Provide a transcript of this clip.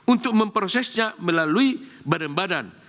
untuk memprosesnya melalui badan badan